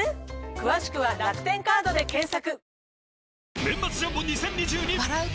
詳しくは「楽天カード」で検索！